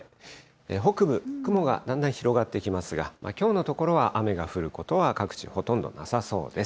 北部、雲がだんだん広がってきますが、きょうのところは、雨が降ることは各地、ほとんどなさそうです。